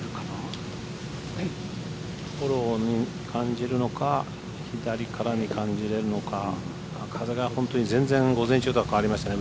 フォローを感じるのか左からに感じれるのか風が本当に全然、午前中とは変わりましたね。